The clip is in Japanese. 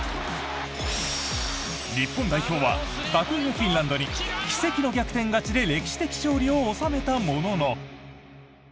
日本代表は、格上フィンランドに奇跡の逆転勝ちで歴史的勝利を収めたものの。